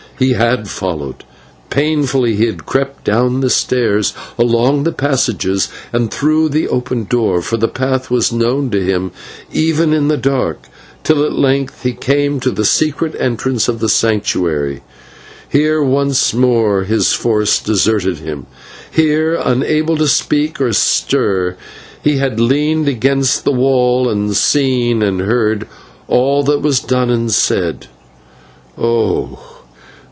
He had followed; painfully he had crept down the stairs, along the passages, and through the open door, for the path was known to him even in the dark, till at length he came to the secret entrance of the Sanctuary. Here once more his force deserted him; here, unable to speak or stir, he had leaned against the wall and seen and heard all that was done and said. Oh!